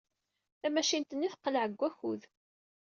Tamacint-nni teqleɛ deg wakud.